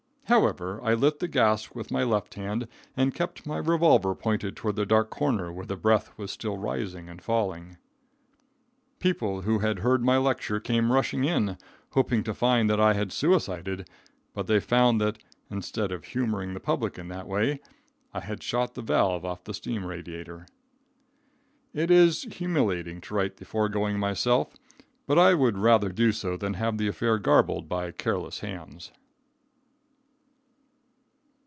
However, I lit the gas with my left hand and kept my revolver pointed toward the dark corner where the breath was still rising and falling. People who had heard my lecture came rushing in, hoping to find that I had suicided, but they found that, instead of humoring the public in that way, I had shot the valve off the steam radiator. It is humiliating to write the foregoing myself, but I would rather do so than have the affair garbled by careless hands.